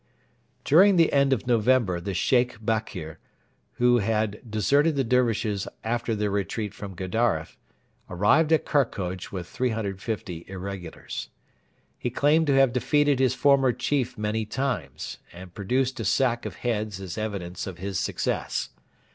During the end of November the Sheikh Bakr, who had deserted the Dervishes after their retreat from Gedaref, arrived at Karkoj with 350 irregulars. He claimed to have defeated his former chief many times, and produced a sack of heads as evidence of his success.